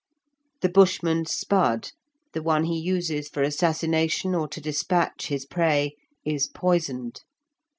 The Bushman's spud, the one he uses for assassination or to despatch his prey, is poisoned.